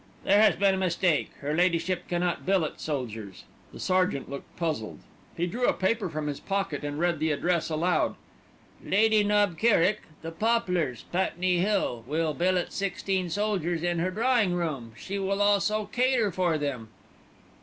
"There has been a mistake. Her Ladyship cannot billet soldiers." The sergeant looked puzzled. He drew a paper from his pocket, and read the address aloud: "'Lady Knob Kerrick, The Poplars, Putney Hill, will billet sixteen soldiers in her drawing room, she will also cater for them.'"